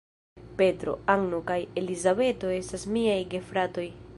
Petro, Anno kaj Elizabeto estas miaj gefratoj.